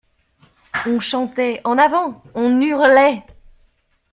On chantait, en avant, on hurlait.